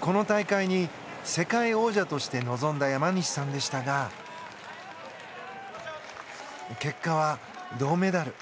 この大会に世界王者として臨んだ山西さんでしたが結果は銅メダル。